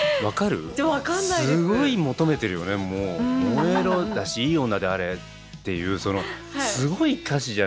「燃えろ」だし「いい女であれ」っていうすごい歌詞じゃないですか。